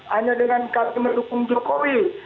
hanya dengan kakit menukung jokowi